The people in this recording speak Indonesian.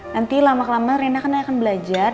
nanti lama kelamaan rina akan belajar